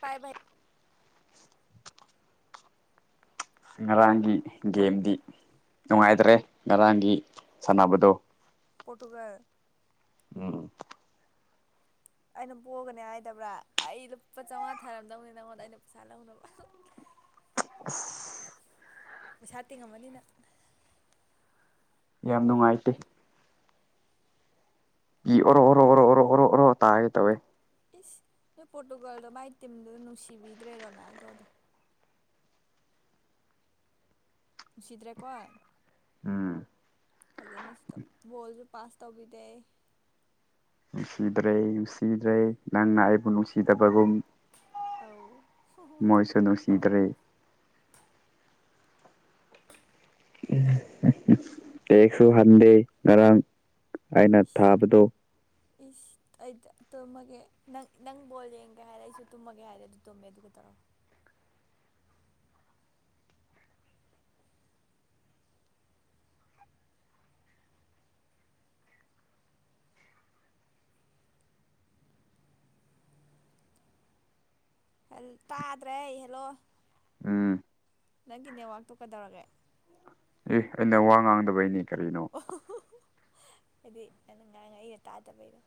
ꯄꯥꯏꯚꯥꯏ [unintelligible] ꯉꯔꯥꯡꯒꯤ ꯒꯦꯝꯗꯤ ꯅꯨꯡꯉꯥꯏꯇ꯭ꯔꯦ ꯉꯔꯥꯡꯒꯤ ꯁꯥꯟꯅꯕꯗꯣ꯫ ꯄꯔꫭꯇꯨꯒꯜ ꯎꯝꯝ ꯑꯩꯅ ꯄꯣꯛꯒꯅꯤ ꯍꯥꯏꯗꯕ꯭ꯔꯥ ꯑꯩ ꯂꯨꯄꯥ ꯆꯥꯎꯉꯥ ꯊꯥꯔꯝꯗꯧꯅꯤ ꯅꯪꯉꯣꯟꯗ ꯑꯩꯅ ꯄꯩꯁꯥ ꯂꯧꯅꯕ ꯫ [unintelligible] ꯄꯩꯁꯥ ꯇꯤꯡꯉꯝꯃꯅꯤ ꯅꯪ ꯌꯥꯝ ꯅꯨꯡꯉꯥꯏꯇꯦ꯫ ꯏ ꯑꯣꯔꯣꯔꯣꯔꯣꯔꯣꯔꯣꯔꯣ ꯇꯥꯒ° ꯇꯋꯦ ꯏꯁ ꯅꯣꯏ ꯄꯣꯔꯇꯨꯒꯥꯜꯗꯣ ꯃꯥꯏ ꯇꯤꯝꯗꯨ ꯅꯨꯡꯁꯤꯕꯤꯗ꯭ꯔꯦ ꯔꯣꯅꯥꯜꯗꯣ ꯗꯣ꯫ ꯅꯨꯡꯁꯤꯗ꯭ꯔꯦꯀꯣ ꯎꯝ꯫ ꯐꯖꯅꯁꯨ ꯇꯧ ꯕꯣꯜꯁꯨ ꯄꯥꯁ ꯇꯧꯕꯤꯗꯦ꯫ ꯅꯨꯡꯁꯤꯗ꯭ꯔꯦ ꯅꯨꯡꯁꯤꯗ꯭ꯔꯦ ꯅꯪꯅ ꯑꯩꯕꯨ ꯅꯨꯡꯁꯤꯗꯕꯒꯨꯝ ꯇꯥꯑꫭ ꯃꯣꯏꯁꯨ ꯅꯨꯡꯁꯤꯗ꯭ꯔꯦ꯫ ꯇꯦꯛꯁꯨ ꯍꯟꯗꯦ ꯉꯔꯥꯡ ꯑꯩꯅ ꯏꯁ ꯊꯥꯕꯗꯣ ꯏꯁ ꯑꯩꯗ ꯇꯨꯝꯃꯒꯦ ꯅꯪ ꯅꯪ ꯕꯣꯜ ꯌꯦꯡꯒꯦ ꯍꯥꯏꯔꯦ ꯑꯩꯁꯨ ꯇꯨꯝꯃꯒꯦ ꯍꯥꯏꯔꯦ ꯑꯗꯨ ꯇꯨꯝꯃꯦ ꯑꯗꯨꯒ ꯀꯩꯗꯧꯔꯕꯥ ꯇꯥꯗ꯭ꯔꯦ ꯍꯜꯂꯣ ꯎꯝꯝ ꯅꯪꯒꯤ ꯅꯦꯠꯋꯥꯛꯇꯨ ꯀꯩꯗꯧꯔꯒꯦ ꯑꯦ ꯑꯩꯅ ꯋꯥ ꯉꯥꯡꯗꯕꯩꯅꯤ ꯀꯔꯤꯅꯣ꯫ ꯑꫭꯑꫭ ꯍꯥꯏꯗꯤ ꯅ ꯉꯥꯡ ꯑꯩꯅ ꯇꯥꯗꯕꯩꯅ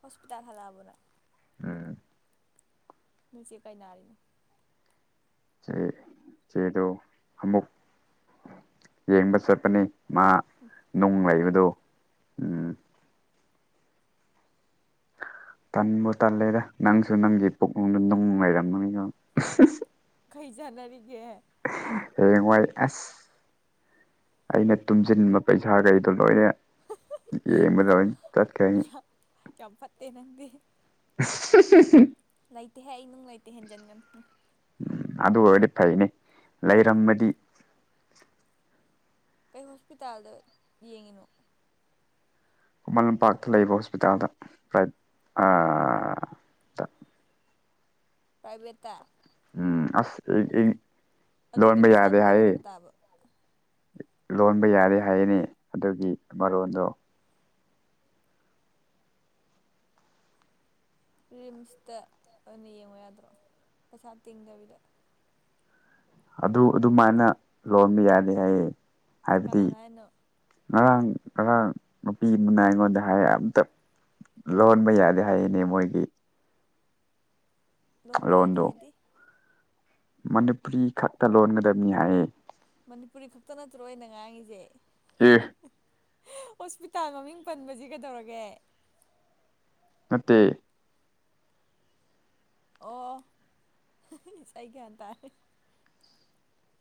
ꯍꯣꯁꯄꯤꯇꯥꯜ ꯍꯜꯂꯛꯑꯕꯅ ꯎꯝꯝ ꯅꯣꯏ ꯆꯦ ꯀꯩ ꯅꯥꯔꯤꯅꯣ ꯆꯦ ꯆꯦꯗ ꯑꯃꯨꯛ ꯌꯦꯡꯕ ꯆꯠꯄꯅꯦ꯫ ꯃꯥ ꯅꯨꯡ ꯂꯩꯕꯗꯣ ꯎꯝ ꯎꯝꯝ ꯇꯟꯕꯨ ꯇꯜꯂꯦꯗꯥ ꯅꯪꯁꯨ ꯅꯪꯒꯤ ꯄꯨꯛꯅꯤꯡꯅꯨꯡꯗ ꯅꯨꯡ ꯂꯩꯔꯝ ꯃꯕꯃꯤꯅ ꯀꯩ ꯖꯥꯟꯅꯔꯤꯒꯦ ꯍꯌꯦꯡꯋꯥꯏ ꯑꯁ ꯑꯩꯅ ꯇꯨꯝꯁꯤꯟꯕ ꯄꯩꯁꯥꯈꯩꯗꯣ ꯂꯣꯏꯅ ꯌꯥ ꯃꯗ ꯇꯠ ꯀꯌꯥꯅꯤ ꯌꯥꯝ ꯐꯠꯇꯦ ꯅꯪꯗꯤ [unintelligible] ꯂꯩꯇꯦꯍꯦ ꯑꯩ ꯅꯨꯡ ꯂꯩꯇꯦ ꯍꯦꯟꯖꯤꯟꯒꯅꯨ꯫ ꯑꯗꯣ ꯑꯣꯏꯗꯤ ꯐꯩꯅꯦ ꯂꯩꫪꯝꯃꯗꯤ ꯀꯩ ꯍꯣꯁꯄꯤꯇꯥꯜꯗ ꯌꯦꯡꯉꯤꯅꯣ ꯈꯨꯃꯟ ꯂꯝꯄꯥꯛꯇ ꯂꯩꯕ ꯍꯣꯠꯄꯤꯇꯥꯜꯗ ꯄ꯭ꯔꯥ ꯄ꯭ꯔꯥꯏꯚꯦꯠꯇꯥ ꯎꯝ ꯑꯥꯁ ꯑꯩ-ꯑꯩ ꯑꯗꯨꯗꯤ ꯂꯣꯟꯕ ꯄꯩꯁꯥ ꯌꯥꯗꯦ ꯍꯥꯏꯌꯦ꯫ ꯇꯤꯡꯕ ꯇꯥꯕ ꯂꯣꯟꯕ ꯌꯥꯔꯦ ꯍꯥꯏꯌꯦꯅꯦ ꯑꯗꯨꯒꯤ ꯃꯔꯣꯟꯗꯣ꯫ ꯔꯤꯝꯁꯇ ꯑꯣꯏꯅ ꯌꯦꯡꯉꯣ ꯌꯥꯗ꯭ꯔꯣ ꯄꯩꯁꯥ ꯇꯦꯡꯗꯕꯤꯗ꯫ ꯑꯗꯨ ꯑꯗꯨꯃꯥꯏꯅ ꯂꯣꯟꯕ ꯌꯥꯅꯤ ꯍꯥꯏꯌꯦ ꯍꯥꯏꯕꯗꯤ ꯀꯅꯥꯅ ꯍꯥꯏꯅꯣ ꯉꯔꯥꯡ ꯑꯉꯥꯡ ꯅꯨꯄꯤ ꯑꯃꯅ ꯑꯩꯉꯣꯟꯗ ꯍꯥꯏꯌꯦ ꯑꯝꯇꯞ꯫ ꯂꯣꯟꯕ ꯌꯥꯗꯦ ꯍꯥꯏꯌꯦꯅꯦ ꯃꯣꯏꯒꯤ꯫ ꯏꯂꯣꯟꯕ ꯌꯥꯗꯦ ꯂꯣꯟꯗꯣ ꯍꯥꯏꯗꯤ ꯃꯅꯤꯄꯨꯔꯤ ꯈꯛꯇ ꯂꯣꯟꯒꯗꯕꯅꯤ ꯍꯥꯏꯌꯦ ꯃꯅꯤꯄꯨꯔꯤ ꯈꯛꯇ ꯅꯠꯇ꯭ꯔꯣ ꯑꯩꯅ ꯉꯥꯡꯉꯤꯁꯦ ꯑꯦ ꯍꯣꯠꯄꯤꯇꯥꯜ ꯃꯃꯤꯡ ꯄꯟꯕꯁꯤ ꯀꯩꯗꯧꯔꯒꯦ ꯅꯠꯇꯦ ꯑꯣ ꯏꯁ ꯑꯩ ꯒ꯭ꯌꯥꯟ ꯇꯥꯔꯦ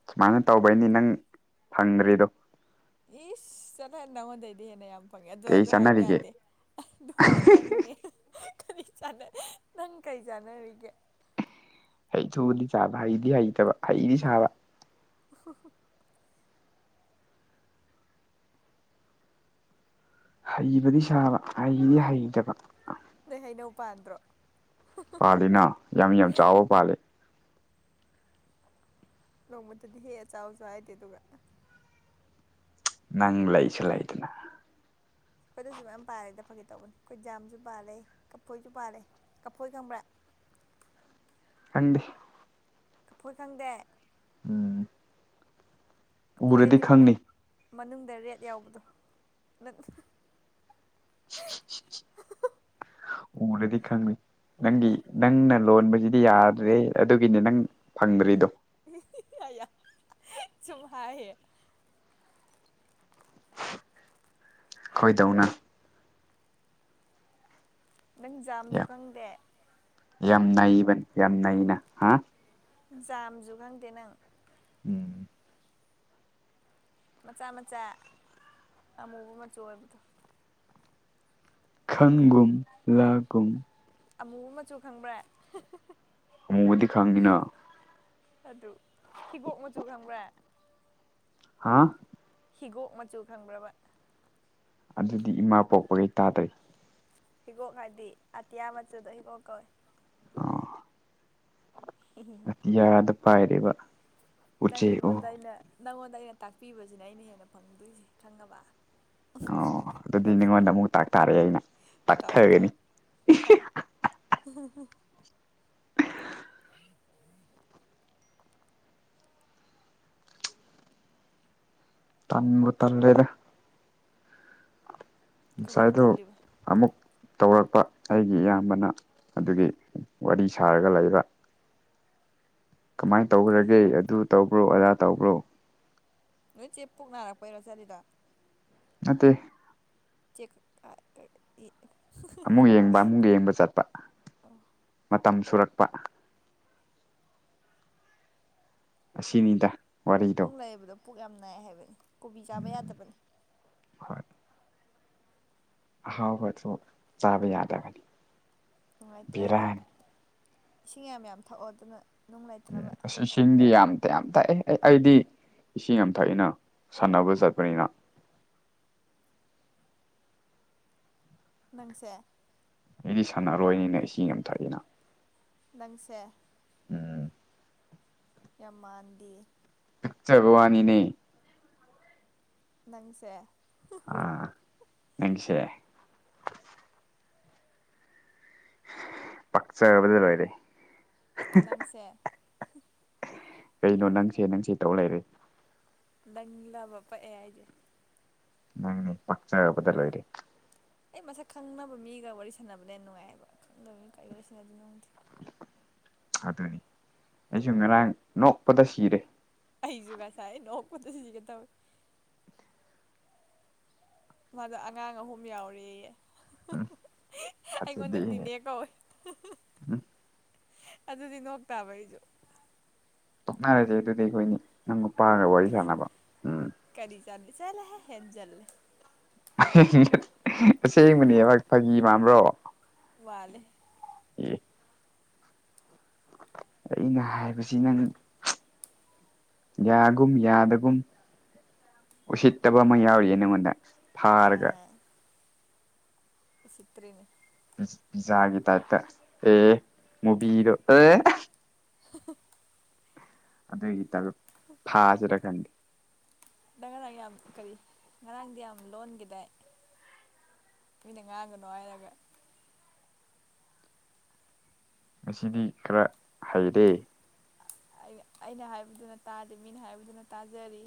ꯁꯨꯃꯥꯏꯅ ꯇꯧꯕꯩꯅꯤ ꯅꯪ ꯐꯪꯗꯔ꯭ꯤꯗꯣ ꯏꯁ ꯆꯠꯂꯣꯍꯦ ꯅꯉꯣꯟꯗꯩꯗꯤ ꯍꯦꯟꯅ ꯌꯥꯝ ꯐꯪꯉꯦ ꯑꯗꯣ ꯀꯩ ꯑꯗꯨ ꯍꯥꯏꯕꯥ ꯆꯥꯟꯅꯔꯤꯒꯦ ꯌꯥꯗꯦ ꯑꯗꯣ ꯅꯪꯅꯦ ꯀꯔꯤ ꯆꯅꯥ ꯅꯪ ꯀꯔꯤ ꯆꯥꯟꯅꯔꯤꯒꯦ ꯍꯩ [unintelligible] ꯆꯥꯕ ꯍꯩꯗꯤ ꯍꯩꯇꯕ ꯍꯩꯗꯤ ꯁꯥꯕ [unintelligible] ꯍꯩꯕꯗꯤ ꯁꯥꯕ ꯍꯩꯗꯤ ꯍꯩꯇꯕ ꯅꫭꯏꯒꯤ ꯍꯩꯅꯧ ꯄꯥꯟꯗ꯭ꯔꯣ ꯄꯥꯜꯂꯤꯅ ꯌꯥꯝ ꯌꯥꯝ ꯆꯥꯎꯕ ꯄꯥꯜꯂꯤ ꯅꯣꯡꯃꯇꯗꯤ ꯍꯦꯛꯑꯒ ꯆꯥꯎꯁꯨ ꯍꯥꯏꯗꯦ ꯑꯗꯨꯒ ꯅꯪ ꯂꯩꯁꯨ ꯂꯩꯇꯅ ꯑꯩꯈꯣꯏꯗꯁꯨ ꯃꯌꯥꯝ ꯄꯥꯟꯂꯦꯗ ꯐꯒꯤ ꯇꯧꯕꯅꯤ ꯑꯩꯈꯣꯏ ꯖꯥꯝꯁꯨ ꯄꯥꯂꯦ ꯀꯐꯣꯏ ꯄꯥꯂ° ꯀꯐꯣꯏ ꯈꯪꯕ꯭ꯔꯥ ꯈꯪꯗꯦ ꯀꯐꯣꯏ ꯈꯪꯗꯦ ꯎꯝ ꯎꯔꯗꯤ ꯀꯐꯣꯏꯑꯗꯤ ꯃꯅꯨꯡ ꯈꯪꯅꯤ ꯃꯅꯨꯡꯗ ꯔꯦꯠ ꯌꯥꯎꯕꯗꯣ [unintelligible] ꯎꯔꯗꯤ ꯈꯪꯅꯤ ꯅꯪꯒꯤ ꯅꯪꯅ ꯂꯣꯟꯕꯁꯤꯗꯤ ꯌꯥꯗ꯭ꯔꯦ ꯍꯦ ꯑꯗꯨꯒꯤꯅꯤ ꯅꯪ ꯐꯪꯗ꯭ꯔꯤꯗꯣ ꯑꯌꯥ ꯁꯨꯝ ꯍꯥꯏꯌꯦ ꯈꯣꯏꯗꯧꯅ ꯅꯪ ꯖꯥꯝꯁꯨ ꯌꯥꯝ ꯈꯪꯗꯦ ꯌꯥꯝ ꯅꯩꯕꯅꯤ ꯌꯥꯝ ꯅꯩꯅ ꯍꯥ ꯖꯥꯝꯗꯨ ꯈꯪꯗꯦ ꯅꯪ ꯎꯝ ꯃꯆꯥ ꯃꯆꯥ ꯑꯃꯨꯕ ꯃꯆꯨ ꯑꯣꯏꯕꯗꯣ ꯈꯪꯒꯨꯝ ꯂꯥꯛꯀꯨꯝ ꯑꯃꯨꯕ ꯃꯆꯨ ꯈꯪꯕ꯭ꯔꯥ ꯑꯃꯨꯕꯗꯤ ꯈꯪꯏꯅ ꯑꯗꯨ ꯍꯤꯒꯣꯛ ꯃꯆꯨ ꯈꯪꯕ꯭ꯔꯥ ꯍꯥꯥ ꯍꯤꯒꯣꯛ ꯃꯆꯨ ꯈꯪꯕ꯭ꯔꯕ ꯑꯗꯨꯗꯤ ꯏꯃꯥ ꯄꯣꯛꯄꯗꯩ ꯇꯥꯗꯔꯤ ꯍꯤꯒꯣꯛ ꯍꯥꯏꯗꯤ ꯑꯇꯤꯌꯥ ꯃꯆꯨꯗꯣ ꯍꯤꯒꯣꯛ ꯀꯧꯏ ꯑ [unintelligible] ꯑꯇꯤꯌꯥꯗ ꯄꯥꯏꯔꯤꯕ ꯎꯆꯦꯛ ꯅꯪꯉꯣꯟꯗ ꯑꯣ ꯑꯩꯅ ꯅꯪꯉꯣꯟꯗ ꯑꯩꯅ ꯇꯥꯛꯄꯤꯕꯁꯤꯅ ꯑꯩꯅ ꯍꯦꯟꯅ ꯐꯪꯗꯣꯏꯁꯦ ꯈꯪꯉꯕ ꯑꯣ ꯑꯗꯨꯗꯤ ꯅꯉꯣꯟꯗ ꯑꯃꯨꯛ ꯇꯥꯛ ꯇꯥꯔꯑꯦ ꯑꯩꯅ ꯇꯥꯛꯊꯒꯅꯤ ꯇꯥꯛꯎ [unintelligible] ꯇꯟꯕꯨ ꯇꯜꯂꯦꯗ ꯀꯔꯤꯒꯤ ꯉꯁꯥꯏꯗꯣ ꯇꯜꯂꯤꯕ ꯑꯃꯨꯛ ꯇꯧꯔꯛꯄ ꯑꯩꯒꯤ ꯏꯌꯥꯝꯕꯅ ꯑꯗꯨꯒꯤ ꯋꯥꯔꯤ ꯁꯥꯔꯒ ꯂꯩꯕ ꯀꯃꯥꯏꯟ ꯀꯩ ꯇꯧꯒ꯭ꯔ꯭ꯒꯦ ꯑꯗꯨ ꯇꯧꯕ꯭ꯔꯣ ꯑꯗꯥ ꯇꯧꯕ꯭ꯔꯣ ꯅꯣꯏ ꯆꯦ ꯄꯨꯛ ꯅꯥꯔꯛꯄꯩꯔꯣ ꯆꯠꯂꯤꯗ ꯅꯠꯇꯦ ꯆꯦꯛ ꯀ ꯀ ꯑꯃꯨꯛ ꯌꯦꯡꯕ ꯑꯃꯨꯛ ꯌꯦꯡꯕ ꯆꯠꯄ ꯃꯇꯝ ꯁꯨꯔꯛꯄ ꯎꯝ ꯑꯁꯤꯅꯤꯗ ꯋꯥꯔꯤꯗꯣ ꯅꯨꯡ ꯂꯩꯕꯗꯣ ꯄꯨꯛ ꯌꯥꯝ ꯅꯥꯏ ꯍꯥꯏꯕꯅꯤ ꯀꯣꯕꯤ ꯆꯥꯕ ꯌꯥꯗꯕꯅꯤ꯫ ꯍꯣꯏ꯫ ꯑꯍꯥꯎꯕꯁꯨ ꯆꯥꯕ ꯌꯥꯗꯕꯥ ꯅꯨꯡꯉꯥꯏꯇꯦ ꯌꯥꯝꯅ ꯏꯁꯤꯡ ꯌꯥꯝ-ꯌꯥꯝ ꯊꯛꯑꯣ ꯑꯗꯨꯅ꯫ ꯅꯨꯡ ꯂꯩꯇꯅꯕ ꯎꯝꯁꯤꯡꯗꯤ ꯌꯥꯝ ꯇ ꯌꯥꯝ ꯊꯥꯛꯑꯦ ꯑꯩ ꯑꯩꯗꯤ ꯏꯁꯤꯡ ꯌꯥꯝ ꯊꯛꯏꯅ ꯁꯥꯟꯅꯕ ꯆꯠꯄꯅꯤꯅ ꯃꯅꯨꯡꯁ ꯑꯩꯗꯤ ꯁꯥꯟꯅꯔꯣꯏꯅꯤꯅ ꯏꯁꯤꯡ ꯌꯥꯝ ꯊꯛꯏꯅ ꯅꯪꯁꯦ꯫ ꯎꯝ--꯫ ꯌꯥꯝ ꯃꯥꯟꯗꯦ ꯈꯠꯆꯕꯋꯥꯅꯤꯅꯦ꯫ ꯅꯪꯁꯦ꯫ ꯑꯥ ꯅꯪꯁꯦ꯫ ꯄꯥꯛꯆꯕꯗ ꯂꯣꯏꯔꯦ꯫ ꯅꯪꯁꯦꯔꫭ꯫ ꯀꯩꯅꯣ ꯅꯪꯁꯦ ꯅꯪꯁꯦ ꯇꯧ ꯂꯩꯔꯦ ꯅꯪꯂꯕ ꯄꯛꯑꯦ ꯍꯥꯏꯁꯦ ꯅꯪꯅꯤ ꯄꯆꯕꯗꯂ ꯑꯣꯏꯔꯦ ꯑꯩ ꯃꯁꯛ ꯈꯪꯅꯕ ꯃꯤꯒ ꯋꯥꯔꯤ ꯁꯥꯟꯅꯕꯅꯦ ꯅꯨꯡꯉꯥꯏꯑꯕ ꯈꯪꯗꯕ ꯃꯤ ꯀ ꯋꯥꯔꯤ ꯁꯅꯗꯤ ꯅꯨꯡꯗꯦ ꯑꯗꯨꯅꯤ ꯑꯩꯁꯨ ꯉꯔꯥꯡ ꯅꯣꯛꯄꯗ ꯁꯤꯔꯦ ꯑꯩꯁꯨ ꯉꯁꯥꯏ ꯅꯣꯛꯄꯣꯠꯇ ꯁꯤꯁꯤꯒ ꯇꯧꯋꯦ ꯃꯥꯗ ꯑꯉꯥꯡ ꯑꯍꯨꯝ ꯌꯥꯎꯔꯤꯌꯦ ꯎꯝ ꯑꯩꯉꯣꯟꯗ ꯐꯖꯗꯦꯍꯦ ꯅꯤꯅꯦ ꯀꯧꯋꯦ꯫ ꯎꯝ ꯑꯗꯨꯗꯤ ꯅꯣꯛ ꯇꯥꯕ ꯑꯩꯁꯨ ꯇꯣꯛꯅꯔꯁꯦ ꯑꯗꯨꯗꯤ ꯑꯩꯈꯣꯏꯅꯤ ꯅꯪ ꯅꯨꯄꯥꯒ ꯋꯥꯔꯤ ꯁꯥꯟꯅꯕ꯫ ꯎꯝ ꯀꯔꯤ ꯆꯠ ꯆꯂꯦ ꯍꯦꯟꯅꯖꯥꯜ ꯑꯁꯦꯡꯕꯅꯦ ꯐꯥꯒꯤ ꯃꯥꯟꯕ꯭ꯔꯣ꯫ ꯋꯥꯂꯦ ꯑ° ꯑꯩꯅ ꯍꯥꯏꯕꯁꯤ ꯅꯪ ꯌꯥꯒꯨꯝ ꯌꯥꯗꯒꯨꯝ꯫ ꯎꯁꯤꯠꯇꯕ ꯑꯃ ꯌꯥꯎꯔꯤꯌꯦ ꯅꯪꯉꯣꯟꯗ ꯐꯥꯔꯒ꯫ ꯎꯁꯤꯠꯇꯔ꯭ꯤꯅꯤ꯫ ꯄꯤꯖꯥꯒꯤ ꯇꯥꯏꯞꯇ ꯑꯦ ꯃꯨꯕꯤꯗꯣ ꯑꯦ ꯑꯦꯍ꯫ [inaudible] ꯑꯗꯨꯒꯤꯇꯛ ꯊꯥꯁꯤꯔ ꯈꯟꯗꯦ ꯑꯗꯪ ꯉꯔꯥꯡ ꯌꯥꯝ ꯀꯔꯤ ꯉꯔꯥꯡꯗꯤ ꯌꯥꯝ ꯂꯣꯟꯒꯦꯗꯥꯏ ꯀꯅ ꯉꯥꯡꯒꯅꯨ ꯍꯥꯏꯔꯒ ꯉꯁꯤꯗꯤ ꯈꯔꯥ ꯍꯩꯔꯦ꯫ ꯑ ꯑꯩꯅ ꯍꯥꯏꯕꯗꯨꯅ ꯇꯥꯗꯦ ꯃꯤꯅ ꯍꯥꯏꯕꯗꯨꯅ ꯇꯥꯖꯔꯤ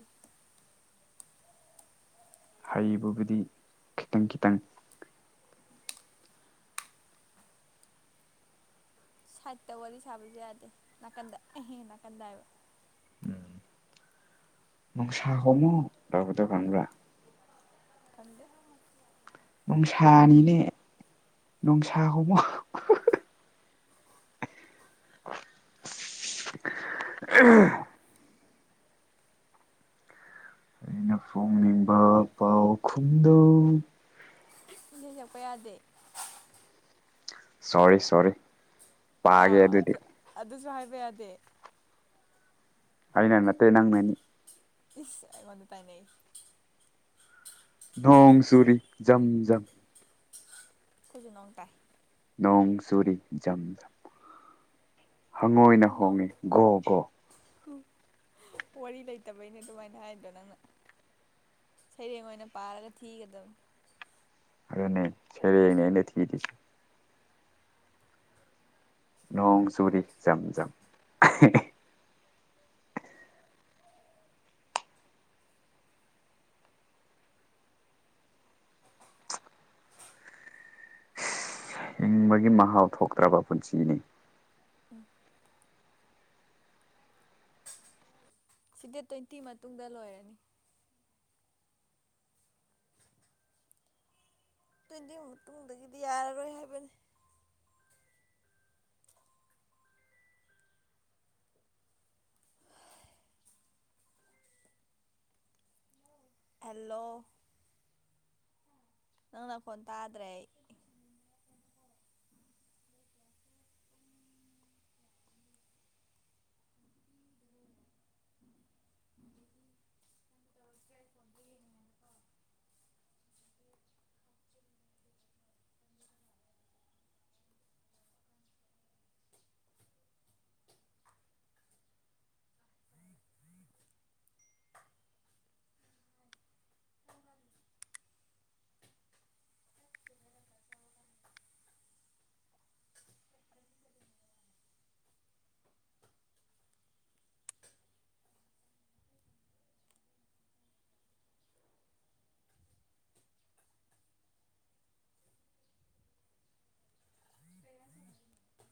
ꯍꯩꯕꯕꯨꯗꯤ ꯈꯤꯇꯪ ꯈꯤꯇꯪ ꯁꯥꯏꯠꯇ ꯋꯥꯔꯤ ꯁꯥꯕꯁꯨ ꯌꯥꯗꯦ ꯅꯥꯀꯟꯗ ꯑꯥꯍꯦ ꯅꯥꯀꯟꯗ ꯍꯥꯏꯕ꯫ ꯎꯝ ꯅꯣꯡꯁꯥ ꯍꯣꯃꯣ ꯇꯧꯕꯗꯣ ꯈꯪꯕ꯭ꯔꯥ꯫ ꯈꯪꯗꯦ ꯅꯣꯡꯁꯥꯅꯤꯅꯦ ꯅꯣꯡꯁꯥ ꯍꯣꯃꯣ꯫ ꯎ ꯑꯩꯅ ꯐꯣꯡꯅꯤꯡꯕ ꯄꯥꯎꯈꯨꯝꯗꯨ ꯏꯁꯩ ꯁꯛꯄꯥ ꯌꯥꯗꯦ ꯁꯣꯔꯤ ꯁꯣꯔꯤ ꯄꯥꯒꯦ ꯑꯦꯌꯥꯎ ꯑꯗꯨꯗꯤ ꯑꯗꯨ ꯑꯗꯨꯁꯨ ꯍꯥꯏꯕ ꯌꯥꯗꯦ꯫ ꯑꯅꯅ ꯅꯠꯇ ꯅꯪꯅꯅꯤ ꯏꯁ ꯑꯩꯉꯣꯜ ꯇꯥꯏꯅꯩ ꯅꯣꯡꯣꯡ ꯁꯔꯤ ꯝ ꯝ ꯈꯨꯖꯨꯅꯣꯡ ꯇꯥꯏ ꯅꯣꯡ ꯆꯨꯔꯤ ꯖꯝ-ꯖꯝ꯫ ꯍꯪꯉꯣꯏꯅ ꯅꯣꯏ ꯅꯣꯡ ꯍꯣꯡꯉꯦ ꯒꯣ ꯒꯣ꯫ ꯋꯥꯔꯤ ꯂꯩꯇꯕꯩꯅꯦ ꯑꯗꯨꯃꯥꯏꯅ ꯍꯥꯏꯗꯣ ꯅꯪꯅ ꯁꯩꯔꯦꯡ ꯑꯣꯏꯅ ꯄꯥꯔꯒ ꯊꯤꯒꯗꯕꯅꯤ ꯑꯗꯨꯅꯦ ꯁꯩꯔꯦꯡꯅꯦ ꯑꯩꯅ ꯊꯤꫪꯤꯁꯤ꯫ ꯅꯣꯡ ꯆꯨꯔꯤ ꯖꯝ ꯖꯝ ꯍꯪꯕꯒꯤ ꯃꯍꯥꯎ ꯊꯣꯛꯇ꯭ꯔꯕ ꯄꯨꯟꯁꯤꯅꯤ ꯎꯝ ꯁꯤ ꯗꯦꯠ ꯇ꯭ꯋꯦꯟꯇꯤ ꯃꯇꯨꯡꯗ ꯂꯣꯏꯔꯅꯤ ꯇ꯭ꯋꯦꯟꯇꯤ ꯃꯇꯨꯡꯗꯒꯤꯗꯤ ꯌꯥꯔꯔꯣꯏ ꯍꯥꯏꯕꯅꯤ ꯍꯜꯜꯂꯣ ꯅꯪꯅ ꯐꯣꯟ ꯇꯥꯗ꯭ꯔꯦ [inaudible] ꯇꯅꯤꯅ [inaudible] [unintelligible]